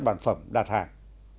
bản phẩm đặt hàng